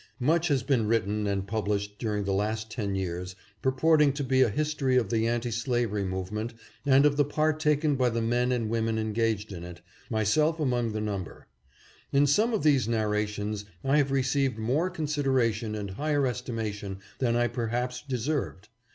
Much has been written and published during the 624 THE ANTI SLAVERY MOVEMENT. last ten years purporting to be a history of the anti slavery movement and of the part taken by the men and women engaged in it, myself among the number. In some of these narrations I have received more con sideration and higher estimation than I perhaps deserved.